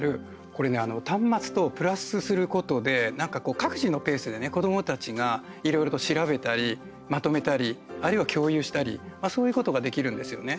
これね、端末とプラスすることで各自のペースで子どもたちがいろいろと調べたりまとめたり、あるいは共有したりそういうことができるんですよね。